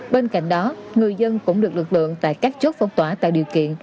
bên cạnh đó người dân cũng được lực lượng tại các chốt phong tỏa tạo điều kiện